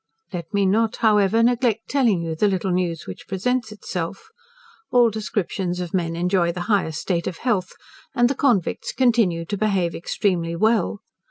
Let me not, however, neglect telling you the little news which presents itself. All descriptions of men enjoy the highest state of health; and the convicts continue to behave extremely well.